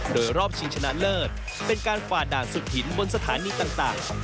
โดยรอบชิงชนะเลิศเป็นการฝ่าด่านสุดหินบนสถานีต่าง